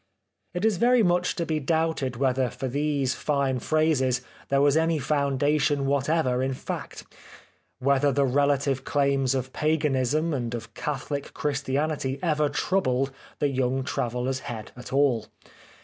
It is very much to be doubted whether for these fine phrases there was any foundation whatever in fact ; whether the relative claims of Paganism and of Catholic Christianity ever troubled the young traveller's head at all.